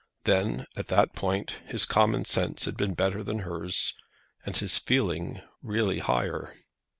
Then, at that point, his common sense had been better than hers, and his feeling really higher.